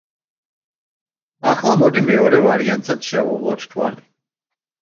ახლა მოდი მეორე ვარიანტსაც შევავლოთ თვალი.